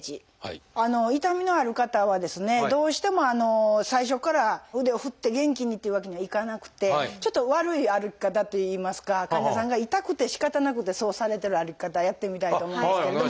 痛みのある方はですねどうしても最初から腕を振って元気にというわけにはいかなくてちょっと悪い歩き方っていいますか患者さんが痛くてしかたなくてそうされてる歩き方やってみたいと思うんですけれども。